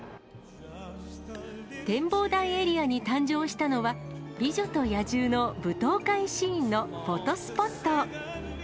展望台エリアに誕生したのは、美女と野獣の舞踏会シーンのフォトスポット。